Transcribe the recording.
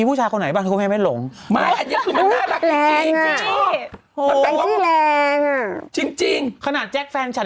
เพื่อนหนูให้ถามจริงนะจากใจนะ